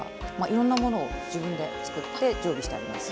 いろんなものを自分で作って常備してあります。